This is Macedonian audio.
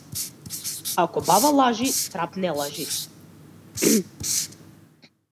Ако баба лажи, трап не лажи.